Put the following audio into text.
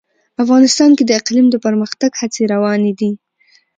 افغانستان کې د اقلیم د پرمختګ هڅې روانې دي.